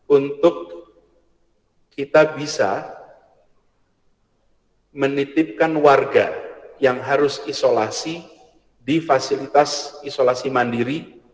untuk kita bisa menitipkan warga yang harus isolasi di fasilitas isolasi mandiri